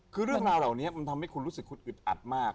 คือเรื่องราวเหล่านี้มันทำให้คุณรู้สึกคุณอึดอัดมาก